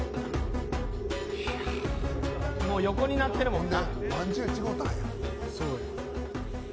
もう横になってるもんな。